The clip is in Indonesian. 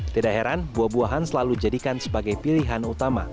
tidak heran buah buahan selalu dijadikan sebagai pilihan utama